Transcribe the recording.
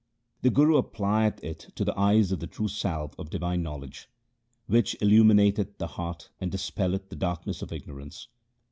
The Guru applieth to the eyes the true salve of divine knowledge, Which illuminateth the heart and dispelleth the darkness of ignorance.